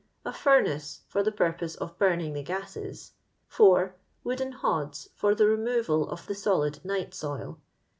A furnace for the purpose of burning the gases. *' 4. Wooden hods for the removal of the solid night soil.